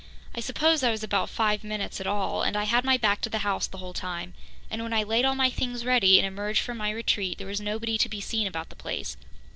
I suppose I was about five minutes at it all and I had my back to the house the whole time, and when I laid all my things ready and emerged from my retreat, there was nobody to be seen about the place.